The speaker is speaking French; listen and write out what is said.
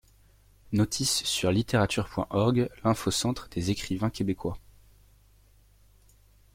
Notice sur litterature.org, l'infocentre des écrivains québécois.